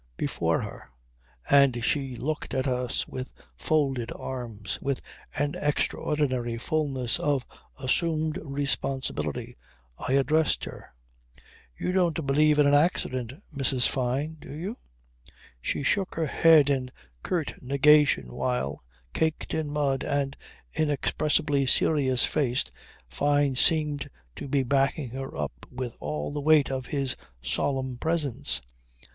Before her. And she looked at us with folded arms, with an extraordinary fulness of assumed responsibility. I addressed her. "You don't believe in an accident, Mrs. Fyne, do you?" She shook her head in curt negation while, caked in mud and inexpressibly serious faced, Fyne seemed to be backing her up with all the weight of his solemn presence.